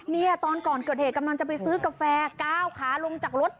เนี่ยตอนก่อนเกิดเหตุกำลังจะไปซื้อกาแฟก้าวขาลงจากรถ